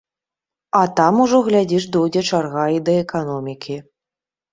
А там ужо, глядзіш, дойдзе чарга і да эканомікі.